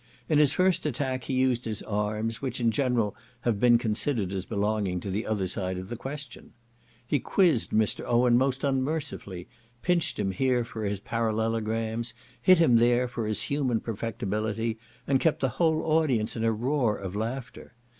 In his first attack he used the arms, which in general have been considered as belonging to the other side of the question. He quizzed Mr. Owen most unmercifully; pinched him here for his parallelograms; hit him there for his human perfectibility, and kept the whole audience in a roar of laughter.